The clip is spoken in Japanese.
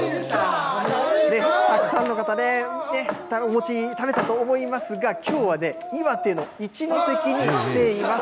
たくさんの方ね、お餅、食べたと思いますが、きょうは岩手の一関に来ています。